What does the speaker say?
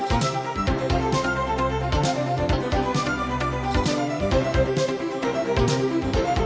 hẹn gặp lại